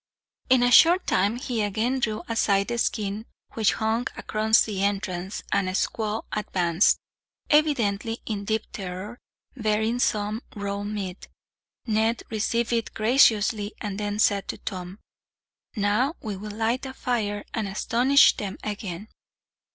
In a short time he again drew aside the skin which hung across the entrance, and a squaw advanced, evidently in deep terror, bearing some raw meat. Ned received it graciously, and then said to Tom: "Now we will light a fire, and astonish them again."